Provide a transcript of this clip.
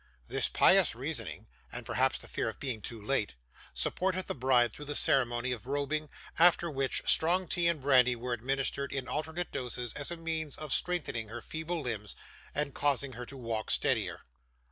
This pious reasoning, and perhaps the fear of being too late, supported the bride through the ceremony of robing, after which, strong tea and brandy were administered in alternate doses as a means of strengthening her feeble limbs and causing her to walk steadier.